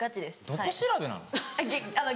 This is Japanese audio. どこ調べなの？